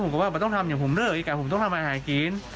ผมก็ว่าต้องทำอย่างผมเลิกผมต้องทำอายหายกรีน